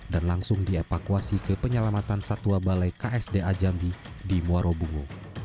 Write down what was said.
dan langsung dievakuasi ke penyelamatan satwa balai ksda jambi di mwarobungo